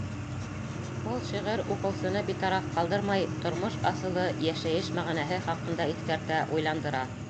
Был шиғыр уҡыусыны битараф ҡалдырмай, тормош асылы, йәшәйеш мәғәнәһе хаҡында иҫкәртә, уйландыра.